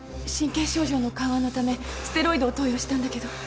神経症状の緩和のためステロイドを投与したんだけど。